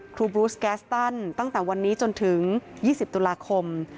บรูสแกสตันตั้งแต่วันนี้จนถึง๒๐ตุลาคม